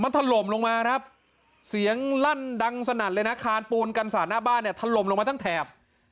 ถล่มลงมาครับเสียงลั่นดังสนั่นเลยนะคานปูนกันศาสตร์หน้าบ้านเนี่ยถล่มลงมาทั้งแถบ